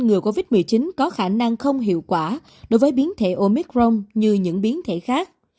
ngừa covid một mươi chín có khả năng không hiệu quả đối với biến thể omicron như những biến thể khác